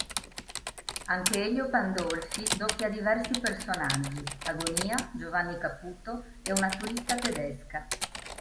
Anche Elio Pandolfi doppia diversi personaggi: Agonia, Giovanni Caputo e una turista tedesca.